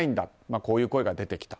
こういう声が出てきた。